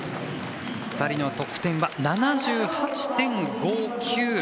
２人の得点は７８．５９。